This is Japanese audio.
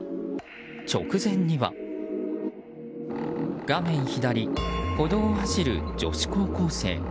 直前には画面左、歩道を走る女子高校生。